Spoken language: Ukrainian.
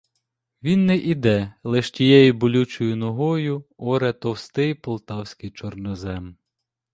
Він не іде, лиш тією болючою ногою оре товстий полтавський чорнозем.